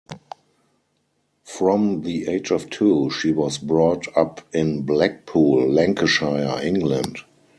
From the age of two, she was brought up in Blackpool, Lancashire, England.